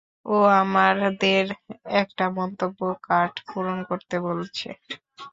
ও আমাদের একটা মন্তব্য কার্ড পূরণ করতে বলছে।